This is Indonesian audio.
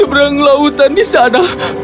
aku berjaga jaga dengan dia dan mencari dia di sana